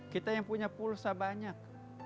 kita yang punya pulsa banyak